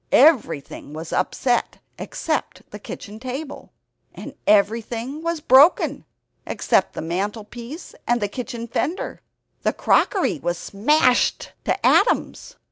Everything was upset except the kitchen table. And everything was broken, except the mantelpiece and the kitchen fender. The crockery was smashed to atoms.